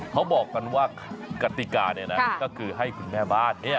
เขาบอกกันว่ากติกาเนี่ยนะก็คือให้คุณแม่บ้าน